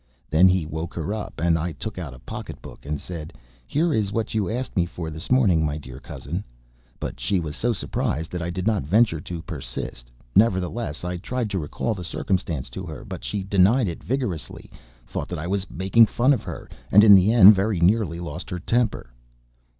Then he woke her up, and I took out a pocketbook and said: "Here is what you asked me for this morning, my dear cousin." But she was so surprised that I did not venture to persist; nevertheless, I tried to recall the circumstance to her, but she denied it vigorously, thought that I was making fun of her, and in the end very nearly lost her temper.